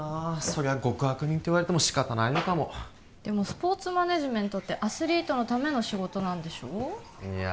そりゃ極悪人って言われても仕方ないのかもでもスポーツマネージメントってアスリートのための仕事なんでしょいや